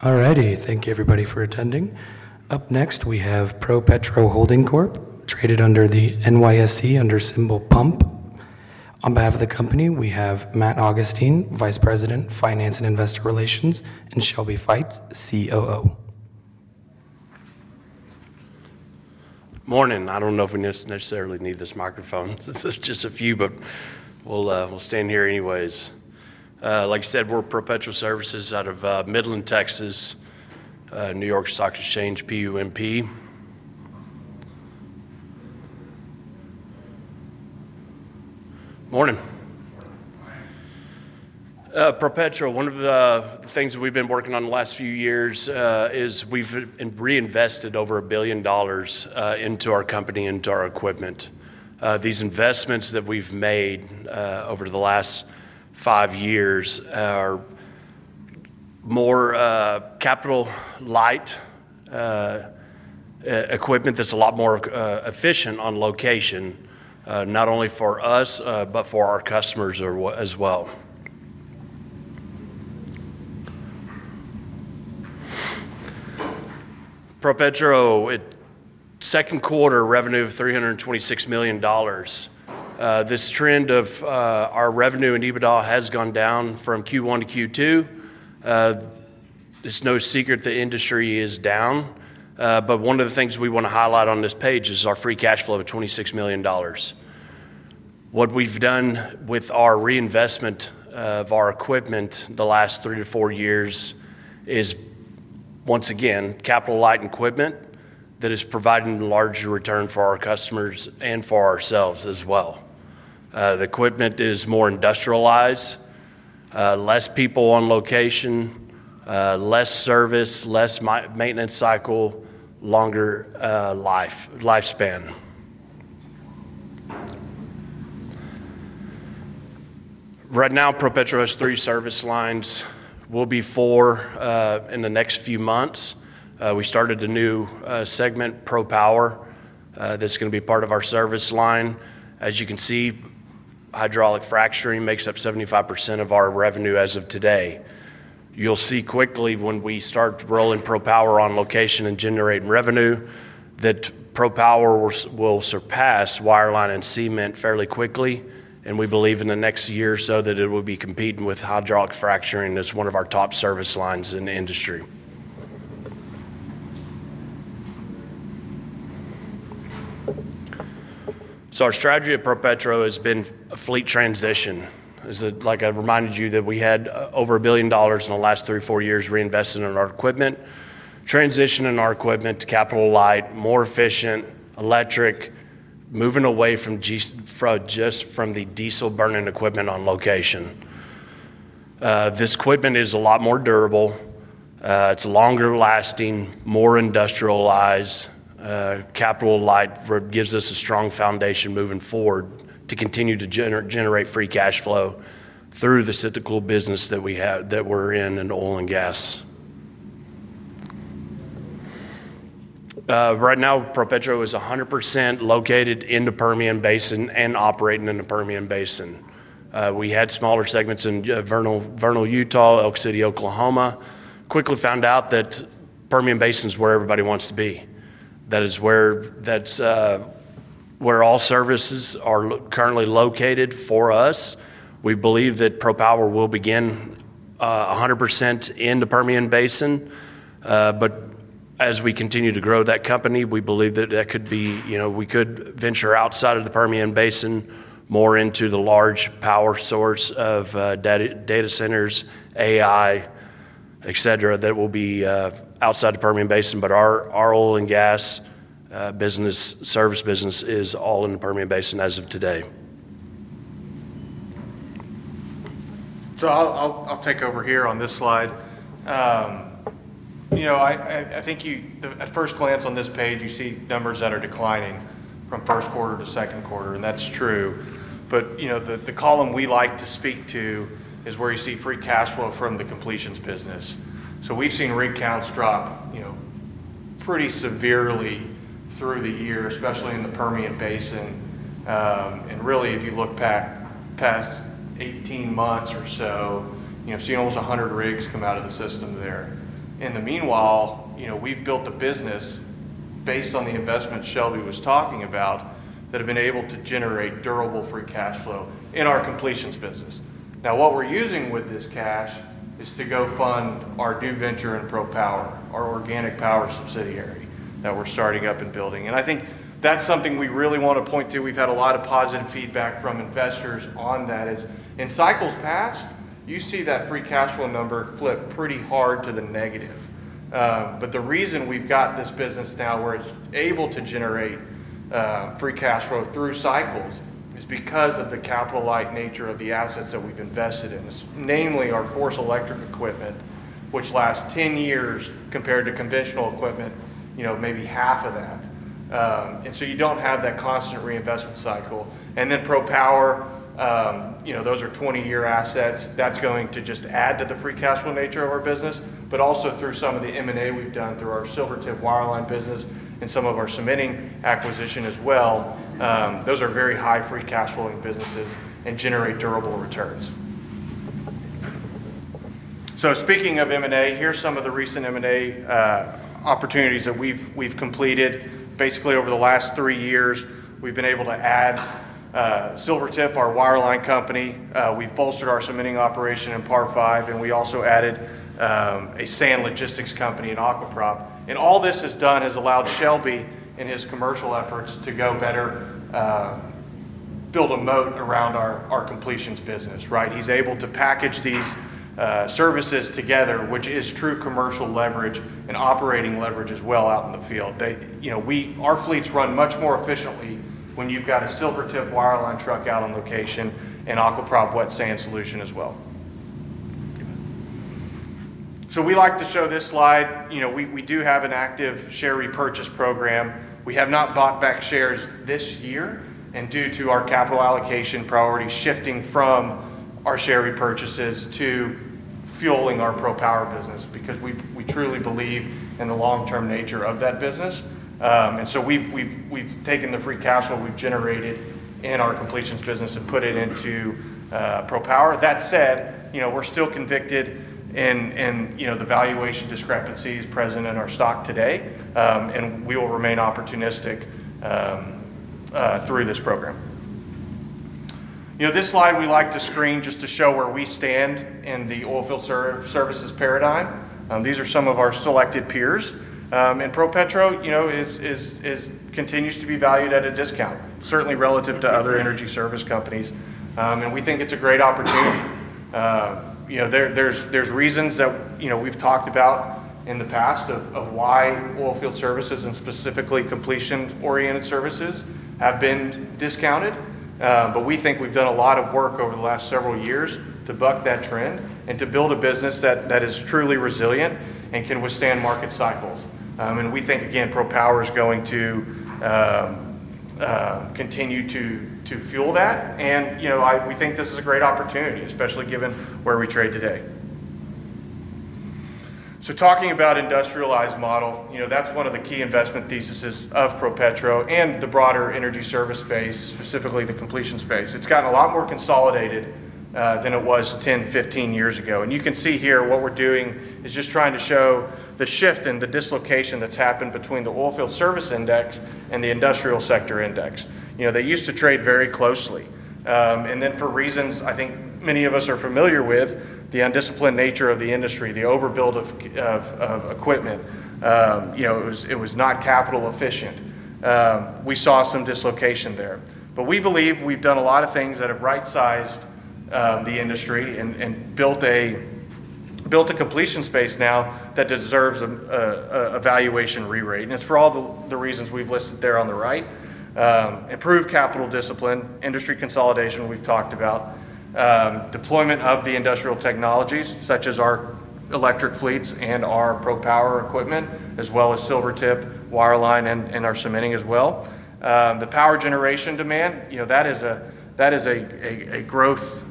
Alrighty, thank you everybody for attending. Up next, we have ProPetro Holding Corp., traded on the NYSE under symbol PUMP. On behalf of the company, we have Matt Augustine, Vice President, Finance and Investor Relations, and Shelby Fietz, COO. Morning! I don't know if we necessarily need this microphone. It's just a few, but we'll stand here anyways. Like I said, we're ProPetro Services out of Midland, Texas, New York Stock Exchange, PUMP. Morning! ProPetro, one of the things that we've been working on the last few years is we've reinvested over $1 billion into our company and into our equipment. These investments that we've made over the last five years are more capital-light equipment that's a lot more efficient on location, not only for us, but for our customers as well. ProPetro, second quarter revenue of $326 million. This trend of our revenue and EBITDA has gone down from Q1 to Q2. It's no secret the industry is down. One of the things we want to highlight on this page is our free cash flow of $26 million. What we've done with our reinvestment of our equipment the last three to four years is, once again, capital-light equipment that has provided a larger return for our customers and for ourselves as well. The equipment is more industrialized, less people on location, less service, less maintenance cycle, longer lifespan. Right now, ProPetro has three service lines. We'll be four in the next few months. We started a new segment, ProPWR, that's going to be part of our service line. As you can see, hydraulic fracturing makes up 75% of our revenue as of today. You'll see quickly when we start rolling ProPWR on location and generating revenue that ProPWR will surpass wireline and cementing fairly quickly. We believe in the next year or so that it will be competing with hydraulic fracturing as one of our top service lines in the industry. Our strategy at ProPetro has been a fleet transition. Like I reminded you that we had over $1 billion in the last three or four years reinvested in our equipment. Transitioning our equipment to capital-light, more efficient, electric, moving away from just from the diesel-burning equipment on location. This equipment is a lot more durable. It's longer lasting, more industrialized. Capital-light gives us a strong foundation moving forward to continue to generate free cash flow through the cyclical business that we have that we're in in oil and gas. Right now, ProPetro is 100% located in the Permian Basin and operating in the Permian Basin. We had smaller segments in Vernal, Utah, Elk City, Oklahoma. Quickly found out that the Permian Basin is where everybody wants to be. That is where all services are currently located for us. We believe that ProPWR will begin 100% in the Permian Basin. As we continue to grow that company, we believe that we could venture outside of the Permian Basin more into the large power source of data centers, AI, etc. that will be outside the Permian Basin. Our oil and gas business, service business, is all in the Permian Basin as of today. I'll take over here on this slide. I think you, at first glance on this page, you see numbers that are declining from first quarter to second quarter, and that's true. The column we like to speak to is where you see free cash flow from the completions business. We've seen rig counts drop pretty severely through the year, especially in the Permian Basin. If you look back past 18 months or so, seeing almost 100 rigs come out of the system there. In the meanwhile, we've built the business based on the investments Shelby was talking about that have been able to generate durable free cash flow in our completions business. What we're using with this cash is to go fund our new venture in ProPWR, our organic power subsidiary that we're starting up and building. I think that's something we really want to point to. We've had a lot of positive feedback from investors on that. In cycles past, you see that free cash flow number flip pretty hard to the negative. The reason we've got this business now where it's able to generate free cash flow through cycles is because of the capital-light nature of the assets that we've invested in, namely our FORCE electric equipment, which lasts 10 years compared to conventional equipment, maybe half of that. You don't have that constant reinvestment cycle. ProPWR, those are 20-year assets that's going to just add to the free cash flow nature of our business, but also through some of the M&A we've done through our Silvertip wireline business and some of our cementing acquisition as well. Those are very high free cash flowing businesses and generate durable returns. Speaking of M&A, here's some of the recent M&A opportunities that we've completed. Over the last three years, we've been able to add Silvertip, our wireline company. We've bolstered our cementing operation in Par Five, and we also added a sand logistics company in Aqua Prop. All this has done has allowed Shelby and his commercial efforts to go better, build a moat around our completions business, right? He's able to package these services together, which is true commercial leverage and operating leverage as well out in the field. Our fleets run much more efficiently when you've got a Silvertip wireline truck out on location and Aqua Prop wet sand solution as well. We like to show this slide. You know, we do have an active share repurchase program. We have not bought back shares this year, and due to our capital allocation priority shifting from our share repurchases to fueling our ProPWR business because we truly believe in the long-term nature of that business. We have taken the free cash flow we've generated in our completions business and put it into ProPWR. That said, we're still convicted in the valuation discrepancies present in our stock today, and we will remain opportunistic through this program. This slide we like to screen just to show where we stand in the oilfield services paradigm. These are some of our selected peers, and ProPetro continues to be valued at a discount, certainly relative to other energy service companies. We think it's a great opportunity. There are reasons that we've talked about in the past of why oilfield services and specifically completions-oriented services have been discounted. We think we've done a lot of work over the last several years to buck that trend and to build a business that is truly resilient and can withstand market cycles. We think, again, ProPWR is going to continue to fuel that. We think this is a great opportunity, especially given where we trade today. Talking about industrialized model, that's one of the key investment theses of ProPetro and the broader energy service space, specifically the completion space. It's gotten a lot more consolidated than it was 10, 15 years ago. You can see here what we're doing is just trying to show the shift in the dislocation that's happened between the oilfield service index and the industrial sector index. They used to trade very closely, and then for reasons I think many of us are familiar with, the undisciplined nature of the industry, the overbuild of equipment. It was not capital efficient. We saw some dislocation there. We believe we've done a lot of things that have right-sized the industry and built a completion space now that deserves a valuation re-rate. It's for all the reasons we've listed there on the right: improved capital discipline, industry consolidation we've talked about, deployment of the industrial technologies such as our electric fleets and our ProPWR equipment, as well as Silver Tip wireline and our cementing as well. The power generation demand, you know, that is a growth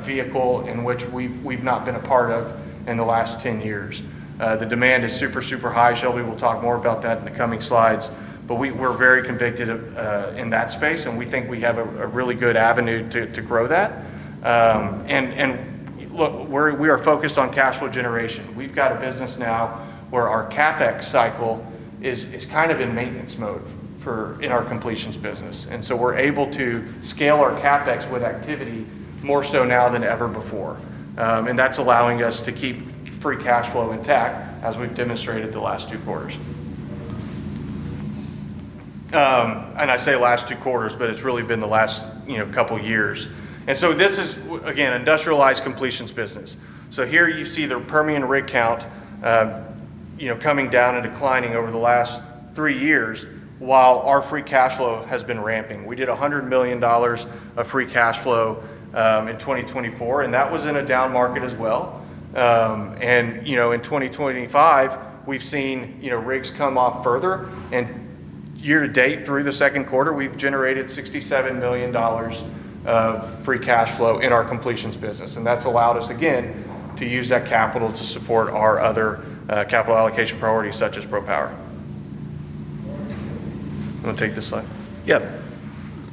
vehicle in which we've not been a part of in the last 10 years. The demand is super, super high. Shelby will talk more about that in the coming slides. We are very convicted in that space, and we think we have a really good avenue to grow that. Look, we are focused on cash flow generation. We've got a business now where our CapEx cycle is kind of in maintenance mode in our completions business. We are able to scale our CapEx with activity more so now than ever before. That's allowing us to keep free cash flow intact, as we've demonstrated the last two quarters. I say last two quarters, but it's really been the last couple of years. This is, again, an industrialized completions business. Here you see the Permian rig count, you know, coming down and declining over the last three years while our free cash flow has been ramping. We did $100 million of free cash flow in 2024, and that was in a down market as well. In 2025, we've seen rigs come off further. Year to date, through the second quarter, we've generated $67 million of free cash flow in our completions business. That's allowed us, again, to use that capital to support our other capital allocation priorities such as ProPWR. You want to take this slide?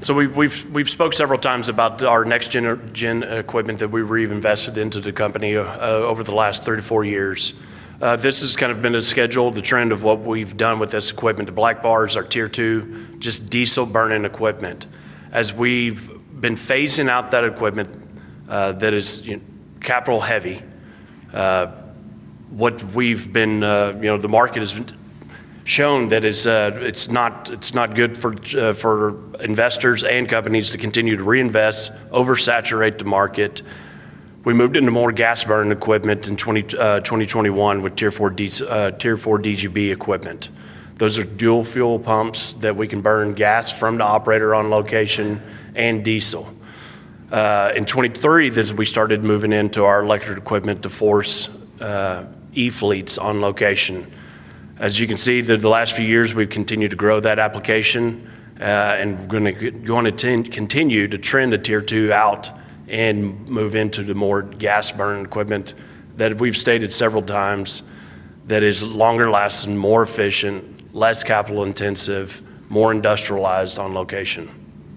We've spoken several times about our next-gen equipment that we've reinvested into the company over the last three to four years. This has kind of been a scheduled trend of what we've done with this equipment. The black bar is our Tier II, just diesel-burning equipment. As we've been phasing out that equipment that is capital heavy, what we've been, you know, the market has shown that it's not good for investors and companies to continue to reinvest, oversaturate the market. We moved into more gas-burning equipment in 2021 with Tier IV DGB equipment. Those are dual-fuel pumps that we can burn gas from the operator on location and diesel. In 2023, we started moving into our electric equipment to FORCE electric fleet on location. As you can see, the last few years we've continued to grow that application and going to continue to trend the Tier II out and move into the more gas-burning equipment that we've stated several times that is longer lasting, more efficient, less capital intensive, more industrialized on location.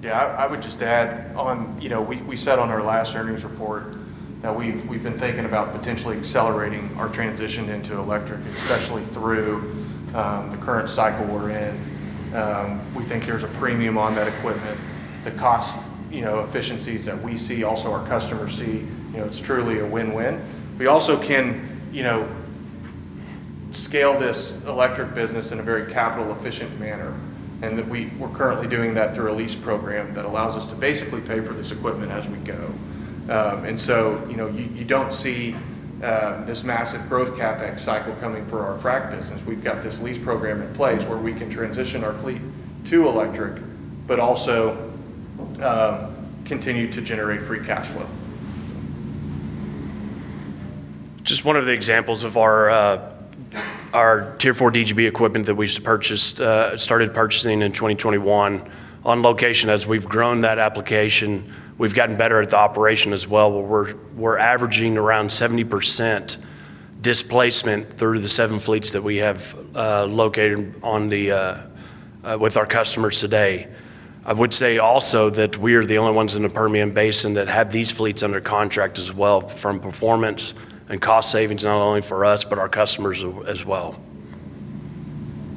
Yeah, I would just add on, you know, we said on our last earnings report that we've been thinking about potentially accelerating our transition into electric, especially through the current cycle we're in. We think there's a premium on that equipment. The cost efficiencies that we see, also our customers see, you know, it's truly a win-win. We also can scale this electric business in a very capital-efficient manner. We're currently doing that through a lease program that allows us to basically pay for this equipment as we go. You don't see this massive growth CapEx cycle coming for our frac business. We've got this lease program in place where we can transition our fleet to electric, but also continue to generate free cash flow. Just one of the examples of our Tier IV DGB equipment that we started purchasing in 2021. On location, as we've grown that application, we've gotten better at the operation as well. We're averaging around 70% displacement through the seven fleets that we have located with our customers today. I would say also that we are the only ones in the Permian Basin that have these fleets under contract as well from performance and cost savings, not only for us, but our customers as well.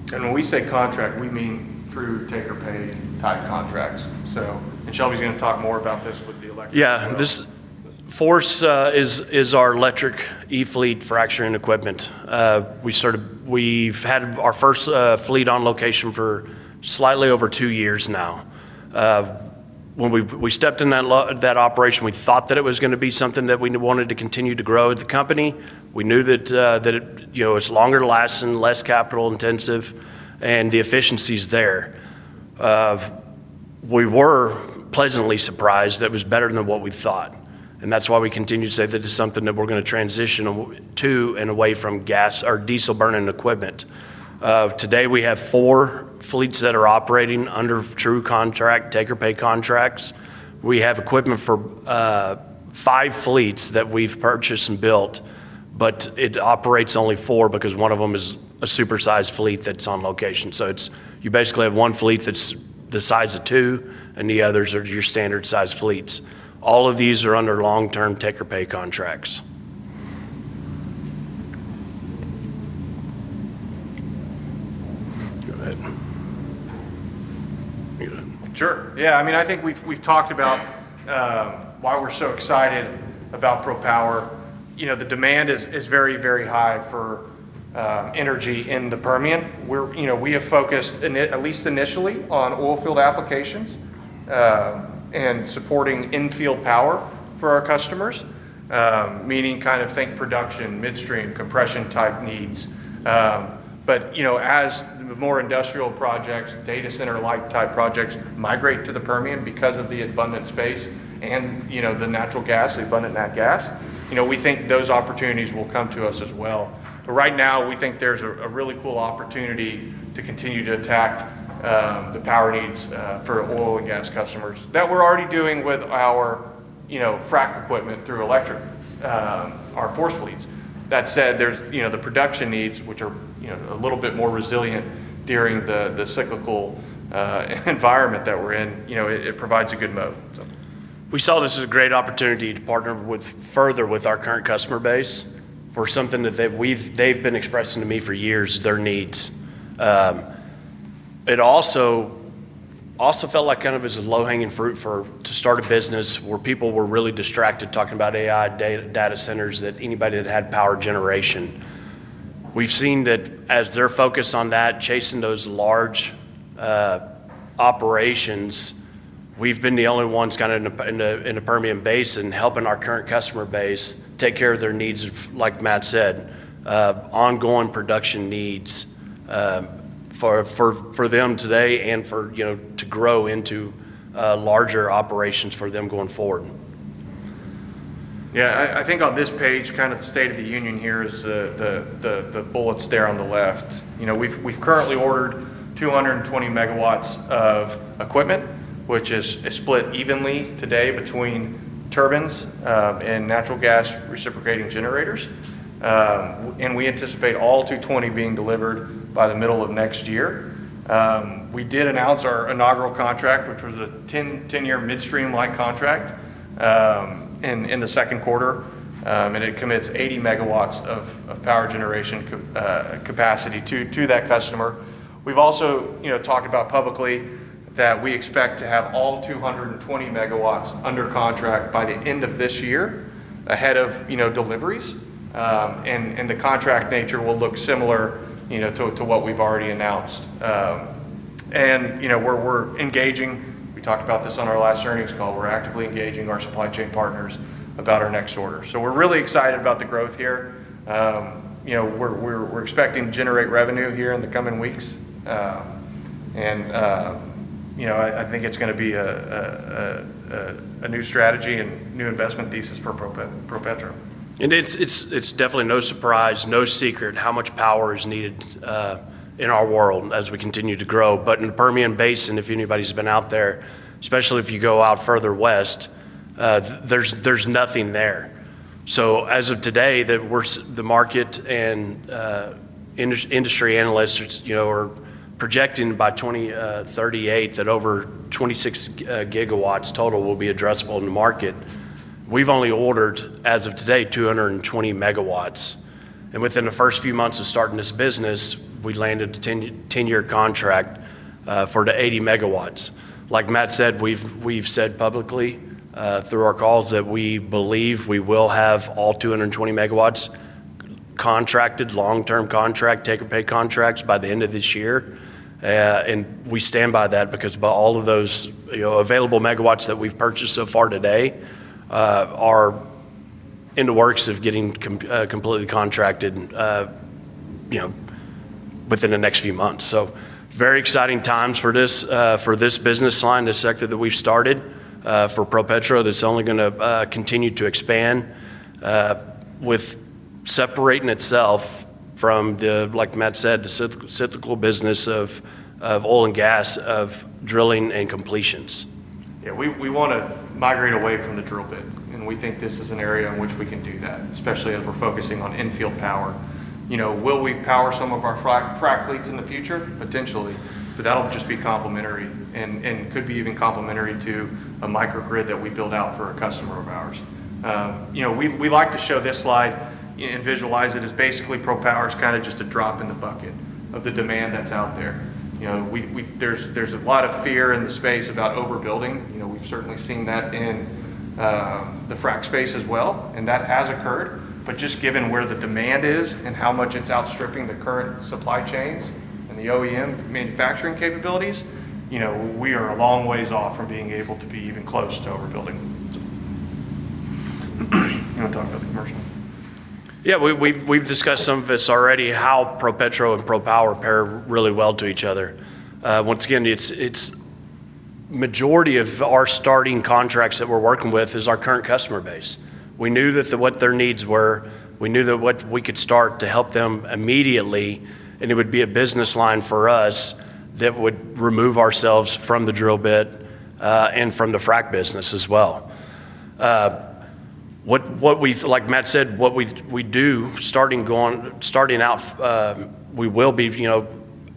When we say contract, we mean true take-or-pay type contracts, and Shelby is going to talk more about this with the electric. Yeah, this FORCE is our electric e-fleet fracturing equipment. We've had our first fleet on location for slightly over two years now. When we stepped in that operation, we thought that it was going to be something that we wanted to continue to grow at the company. We knew that it was longer lasting, less capital intensive, and the efficiencies there. We were pleasantly surprised that it was better than what we thought. That's why we continue to say that it's something that we're going to transition to and away from gas or diesel-burning equipment. Today, we have four fleets that are operating under true contract, take-or-pay contracts. We have equipment for five fleets that we've purchased and built, but it operates only four because one of them is a super-sized fleet that's on location. You basically have one fleet that's the size of two, and the others are your standard sized fleets. All of these are under long-term take-or-pay contracts. Sure. Yeah, I mean, I think we've talked about why we're so excited about ProPWR. The demand is very, very high for energy in the Permian. We have focused, at least initially, on oilfield applications and supporting infield power for our customers, meaning kind of think production, midstream, compression type needs. As more industrial projects, data center-like type projects migrate to the Permian because of the abundant space and the abundant natural gas, we think those opportunities will come to us as well. Right now, we think there's a really cool opportunity to continue to attack the power needs for oil and gas customers that we're already doing with our frac equipment through electric, our FORCE electric fleet. That said, the production needs, which are a little bit more resilient during the cyclical environment that we're in, provide a good moat. We saw this as a great opportunity to partner further with our current customer base for something that they've been expressing to me for years, their needs. It also felt like kind of a low-hanging fruit to start a business where people were really distracted talking about AI data centers, that anybody that had power generation. We've seen that as they're focused on that, chasing those large operations, we've been the only ones in the Permian Basin helping our current customer base take care of their needs, like Matt said, ongoing production needs for them today and to grow into larger operations for them going forward. Yeah, I think on this page, kind of the state of the union here is the bullets there on the left. We've currently ordered 220 MW of equipment, which is split evenly today between turbines and natural gas reciprocating generators. We anticipate all 220 MW being delivered by the middle of next year. We did announce our inaugural contract, which was a 10-year midstream-like contract in the second quarter. It commits 80 MW of power generation capacity to that customer. We've also talked about publicly that we expect to have all 220 MW under contract by the end of this year, ahead of deliveries. The contract nature will look similar to what we've already announced. We're engaging, we talked about this on our last earnings call, we're actively engaging our supply chain partners about our next order. We're really excited about the growth here. We're expecting to generate revenue here in the coming weeks. I think it's going to be a new strategy and new investment thesis for ProPetro. It's definitely no surprise, no secret how much power is needed in our world as we continue to grow. In the Permian Basin, if anybody's been out there, especially if you go out further west, there's nothing there. As of today, the market and industry analysts are projecting by 2038 that over 26 [MW] total will be addressable in the market. We've only ordered as of today 220 MW. Within the first few months of starting this business, we landed a 10-year contract for the 80 MW. Like Matt said, we've said publicly through our calls that we believe we will have all 220 MW contracted, long-term contract, take-or-pay contracts by the end of this year. We stand by that because all of those available megawatts that we've purchased so far today are in the works of getting completely contracted within the next few months. Very exciting times for this business line, this sector that we've started for ProPetro that's only going to continue to expand with separating itself from, like Matt said, the cyclical business of oil and gas, of drilling and completions. Yeah, we want to migrate away from the drill bit. We think this is an area in which we can do that, especially as we're focusing on infield power. You know, will we power some of our frac fleets in the future? Potentially. That'll just be complimentary and could be even complimentary to a microgrid that we build out for a customer of ours. We like to show this slide and visualize it as basically ProPWR's kind of just a drop in the bucket of the demand that's out there. There's a lot of fear in the space about overbuilding. We've certainly seen that in the frac space as well, and that has occurred. Given where the demand is and how much it's outstripping the current supply chains and the OEM manufacturing capabilities, we are a long ways off from being able to be even close to overbuilding. You want to talk about the commercial? Yeah, we've discussed some of this already, how ProPetro and ProPWR pair really well to each other. Once again, the majority of our starting contracts that we're working with is our current customer base. We knew what their needs were. We knew what we could start to help them immediately, and it would be a business line for us that would remove ourselves from the drill bit and from the frac business as well. Like Matt said, what we do starting out, we will be, you know,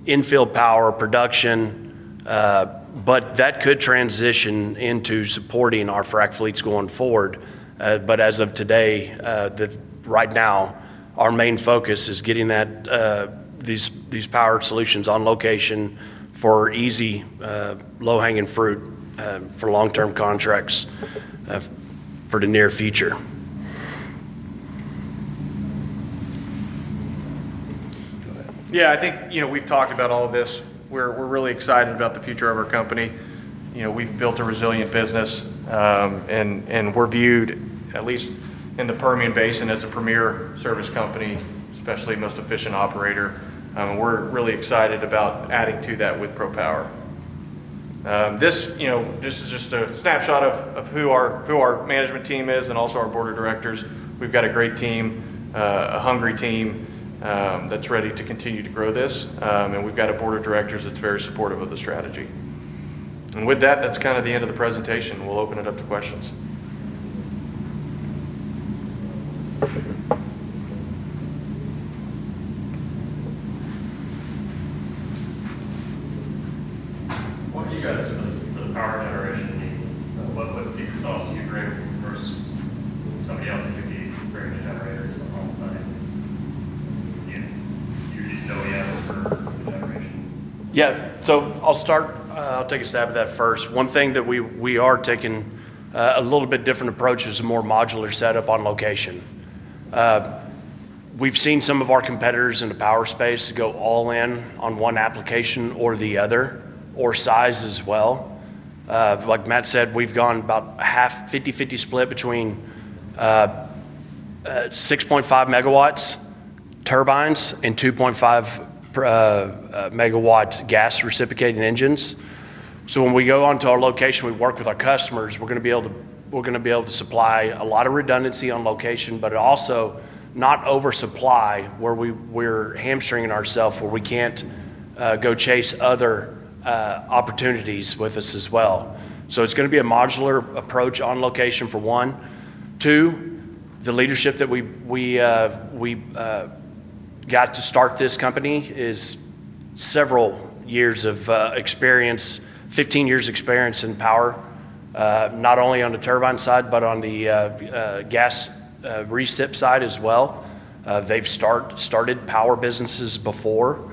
infield power production, but that could transition into supporting our frac fleets going forward. As of today, right now, our main focus is getting these power solutions on location for easy, low-hanging fruit for long-term contracts for the near future. Yeah, I think we've talked about all of this. We're really excited about the future of our company. We've built a resilient business, and we're viewed at least in the Permian Basin as a premier service company, especially the most efficient operator. We're really excited about adding to that with ProPWR. This is just a snapshot of who our management team is and also our Board of Directors. We've got a great team, a hungry team that's ready to continue to grow this, and we've got a Board of Directors that's very supportive of the strategy. With that, that's kind of the end of the presentation. We'll open it up to questions. What do you go to some of those power generation needs? What resource do you create first? Some counties could be very much on hydrogen power? Yeah, I'll start. I'll take a stab at that first. One thing that we are taking a little bit different approach is a more modular setup on location. We've seen some of our competitors in the power space go all in on one application or the other, or size as well. Like Matt said, we've gone about half, 50/50 split between 6.5 MW turbines and 2.5 MW gas reciprocating engines. When we go onto our location, we work with our customers. We're going to be able to supply a lot of redundancy on location, but also not oversupply where we're hamstringing ourselves, where we can't go chase other opportunities with us as well. It's going to be a modular approach on location for one. The leadership that we got to start this company is several years of experience, 15 years of experience in power, not only on the turbine side, but on the gas reciprocating side as well. They've started power businesses before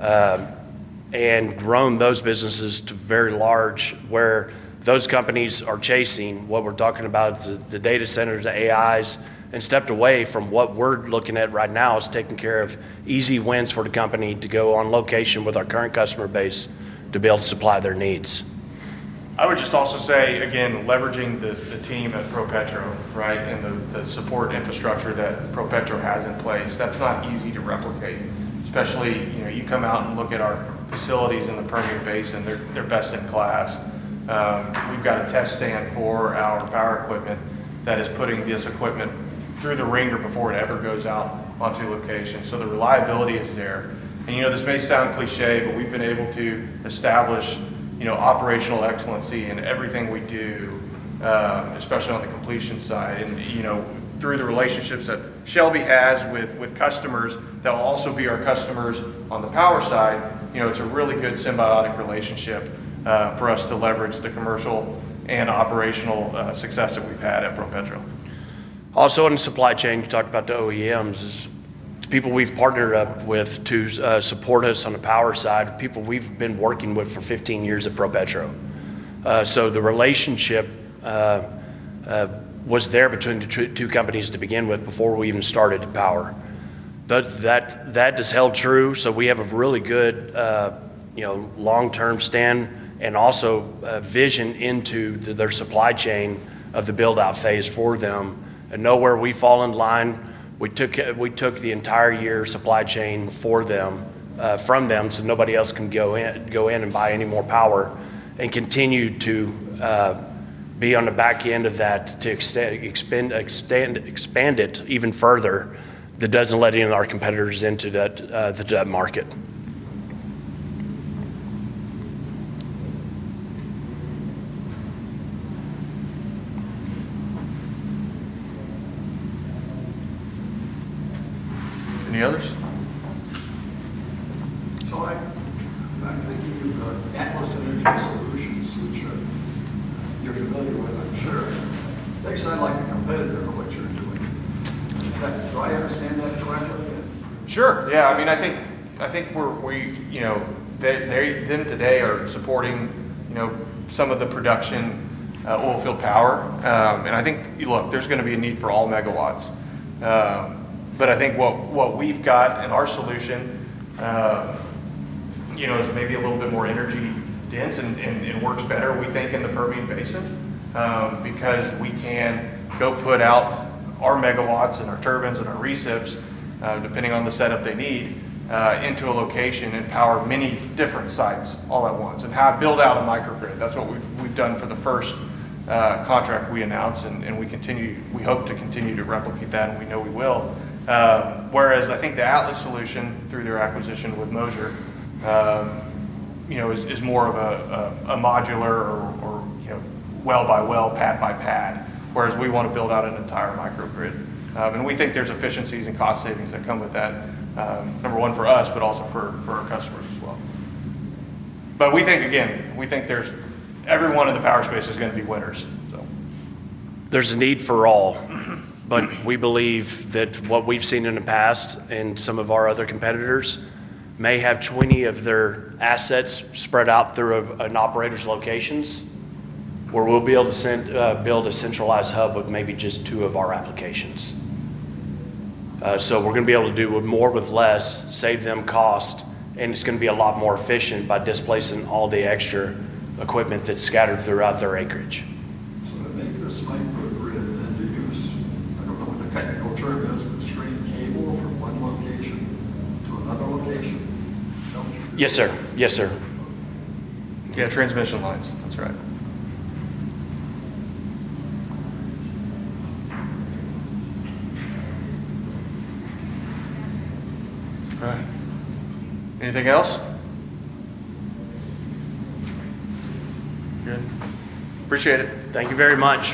and grown those businesses to very large where those companies are chasing what we're talking about, the data centers, the AIs, and stepped away from what we're looking at right now, which is taking care of easy wins for the company to go on location with our current customer base to be able to supply their needs. I would just also say, again, leveraging the team at ProPetro, right, and the support infrastructure that ProPetro has in place, that's not easy to replicate. Especially, you know, you come out and look at our facilities in the Permian Basin, they're best in class. We've got a test stand for our power equipment that is putting this equipment through the ringer before it ever goes out onto location. The reliability is there. This may sound cliché, but we've been able to establish, you know, operational excellency in everything we do, especially on the completion side. Through the relationships that Shelby has with customers, they'll also be our customers on the power side. It's a really good symbiotic relationship for us to leverage the commercial and operational success that we've had at ProPetro. Also, on the supply chain, you talked about the OEMs, the people we've partnered up with to support us on the power side, the people we've been working with for 15 years at ProPetro. The relationship was there between the two companies to begin with before we even started PWR. That has held true. We have a really good, long-term stance and also a vision into their supply chain of the build-out phase for them and know where we fall in line. We took the entire year supply chain for them from them so nobody else can go in and buy any more power and continue to be on the back end of that to expand it even further. That doesn't let any of our competitors into the market. Any others? Sorry, I'm thinking you've got an endless energy solutions, which you're giving everybody luxury. Thanks, I'd like to complain a bit about what you're doing. Is that right? I stand up to it? Sure, yeah. I mean, I think we, you know, they today are supporting some of the production oilfield power. I think there's going to be a need for all megawatts. I think what we've got in our solution is maybe a little bit more energy-dense and works better, we think, in the Permian Basin because we can go put out our megawatts and our turbines and our resets, depending on the setup they need, into a location and power many different sites all at once and build out a microgrid. That's what we've done for the first contract we announced, and we hope to continue to replicate that, and we know we will. I think the Atlas Solution through their acquisition with Moser is more of a modular or well by well, pad by pad, whereas we want to build out an entire microgrid. We think there's efficiencies and cost savings that come with that, number one for us, but also for our customers as well. We think, again, we think everyone in the power space is going to be winners. There's a need for all, but we believe that what we've seen in the past and some of our other competitors may have 20 of their assets spread out through an operator's locations, where we'll be able to build a centralized hub with maybe just two of our applications. We're going to be able to do more with less, save them cost, and it's going to be a lot more efficient by displacing all the extra equipment that's scattered throughout their acreage. To make this microgrid that they use, I don't know what the technical term is, but string cable from one location to another location? Yes, sir. Yes, sir. Yeah, transmission lines. That's right. Okay, anything else? Again, appreciate it. Thank you very much.